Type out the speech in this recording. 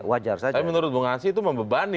tapi menurut bung asi itu membebani